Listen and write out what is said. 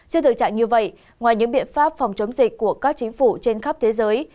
trên thực trạng như vậy ngoài những biện pháp phòng chống dịch của các chính phủ trên khắp thế giới